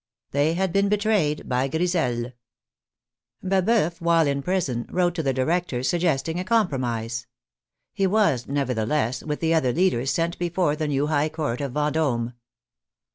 They had been betrayed by GriseL io6 THE FRENCH REVOLUTION Baboeuf, while in prison, wrote to the directors suggest ing a compromise. He was, nevertheless, with the other leaders sent before the new high court of Vendome.